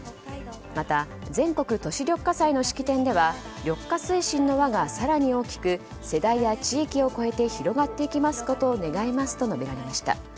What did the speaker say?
また全国都市緑化祭の式典では緑化推進の輪が更に大きく世代や地域を超えて広がっていきますことを願いますと述べられました。